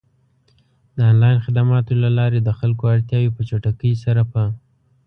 د آنلاین خدماتو له لارې د خلکو اړتیاوې په چټکۍ سره پ